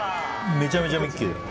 めちゃめちゃミッキーだ。